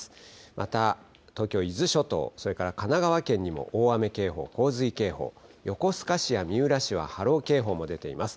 また、東京・伊豆諸島、それから神奈川県にも大雨警報、洪水警報、横須賀市や三浦市は波浪警報も出ています。